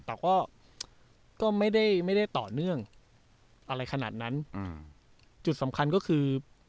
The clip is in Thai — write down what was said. แต่ก็ก็ไม่ได้ไม่ได้ต่อเนื่องอะไรขนาดนั้นอืมจุดสำคัญก็คือ